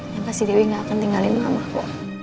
yang pasti dewi gak akan tinggalin mama kok